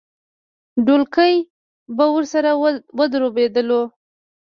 ډولکی به ورسره ودربېدلو.